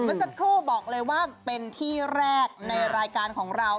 เมื่อสักครู่บอกเลยว่าเป็นที่แรกในรายการของเรา